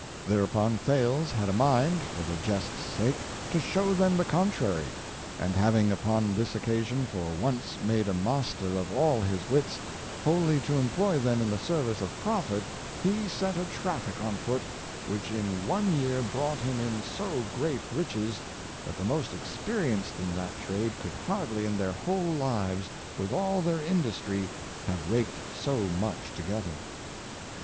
Thereupon Thales had a mind, for the jest's sake, to show them the contrary; and having upon this occasion for once made a muster of all his wits, wholly to employ them in the service of profit, he set a traffic on foot, which in one year brought him in so great riches, that the most experienced in that trade could hardly in their whole lives, with all their industry, have raked so much to gether."